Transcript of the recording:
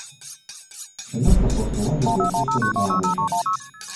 Šiame trasos ruože gausu stovyklaviečių.